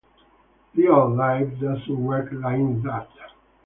Real life doesn't work like that.